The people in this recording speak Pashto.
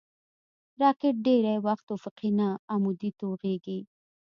راکټ ډېری وخت افقي نه، عمودي توغېږي